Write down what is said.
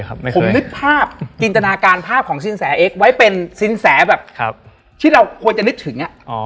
ผมนึกภาพจินตนาการภาพของสินแสเอ็กซไว้เป็นสินแสแบบที่เราควรจะนึกถึง